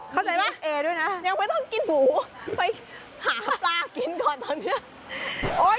เข้าใจป่ะเอด้วยนะยังไม่ต้องกินหมูไปหาปลากินก่อนตอนนี้